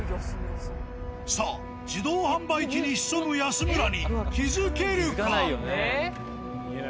さあ、自動販売機に潜む安村に気付けるか？